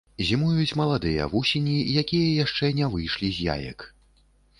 Зімуюць маладыя вусені, якія яшчэ не выйшлі з яек.